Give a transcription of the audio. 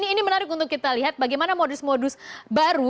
ini menarik untuk kita lihat bagaimana modus modus baru